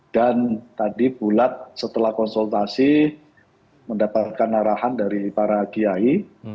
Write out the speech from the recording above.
dan tadi bulat setelah konsultasi mendapatkan arahan dari para kiai